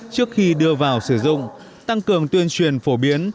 trước khi đưa vào sử dụng tăng cường tuyên truyền phổ biến